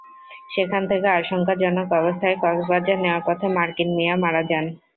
সেখান থেকে আশঙ্কাজনক অবস্থায় কক্সবাজার নেওয়ার পথে মার্কিন মিয়া মারা যান।